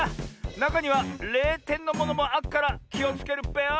なかには０てんのものもあっからきをつけるっぺよ！